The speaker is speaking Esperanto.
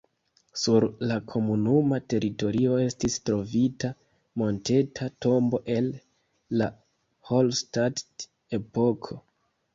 Sur la komunuma teritorio estis trovita monteta tombo el la Hallstatt-epoko.